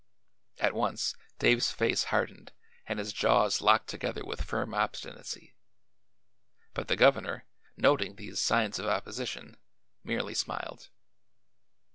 At once Dave's face hardened and his jaws locked together with firm obstinacy. But the governor, noting these signs of opposition, merely smiled.